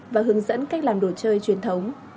và hướng dẫn cách làm đồ chơi truyền thống